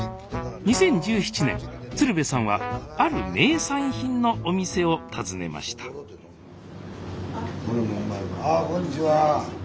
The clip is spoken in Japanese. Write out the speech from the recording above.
２０１７年鶴瓶さんはある名産品のお店を訪ねましたあこんにちは。